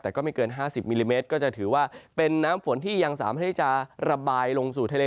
แต่ก็ไม่เกิน๕๐มิลลิเมตรก็จะถือว่าเป็นน้ำฝนที่ยังสามารถที่จะระบายลงสู่ทะเล